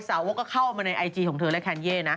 สาวกก็เข้ามาในไอจีของเธอและแคนเย่นะ